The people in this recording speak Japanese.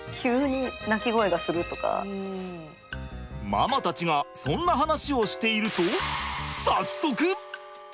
ママたちがそんな話をしていると早速！